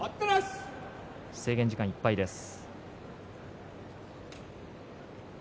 制限時間いっぱいです。